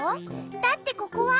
だってここは。